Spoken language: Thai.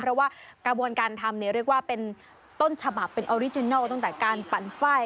เพราะว่ากระบวนการทำเนี่ยเรียกว่าเป็นต้นฉบับเป็นออริจินัลตั้งแต่การปั่นไฟ